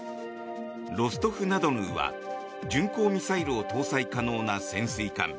「ロストフナドヌー」は巡航ミサイルを搭載可能な潜水艦。